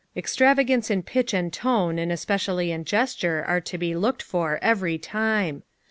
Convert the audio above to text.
Extrava gance in pitcli and tone and especially in ges ture are to be looked for, every time.